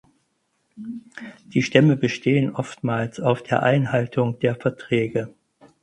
Die Stämme bestehen oftmals auf der Einhaltung der Verträge.